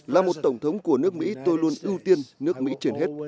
là một tổng thống của nước mỹ tôi luôn ưu tiên nước mỹ trên hết